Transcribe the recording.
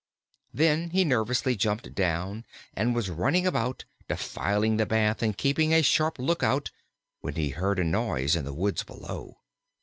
Then he nervously jumped down, and was running about, defiling the bath and keeping a sharp lookout, when he heard a noise in the woods below.